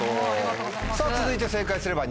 さぁ続いて正解すれば。